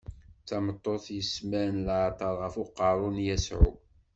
D tameṭṭut yesmaren leɛṭer ɣef uqerru n Yasuɛ.